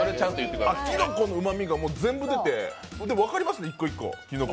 キノコのうまみが全部出て分かりますね、一個一個。